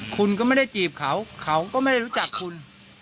คุณก็ไม่ได้จีบเขาเขาก็ไม่ได้รู้จักคุณ